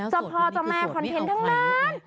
จะพอจะแม่คอนเทนต์ทั้งนั้น